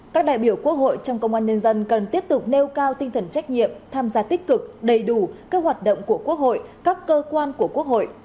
các đại biểu quốc hội trong công an nhân dân cần tiếp tục nêu cao tinh thần trách nhiệm tham gia tích cực đầy đủ các hoạt động của quốc hội các cơ quan của quốc hội